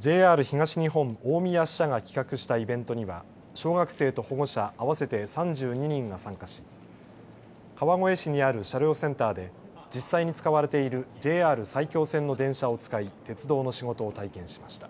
ＪＲ東日本大宮支社が企画したイベントには小学生と保護者合わせて３２人が参加し川越市にある車両センターで実際に使われているＪＲ埼京線の電車を使い鉄道の仕事を体験しました。